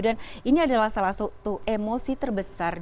dan ini adalah salah satu emosi terbesar